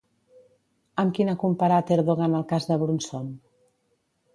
Amb quin ha comparat Erdogan el cas de Brunson?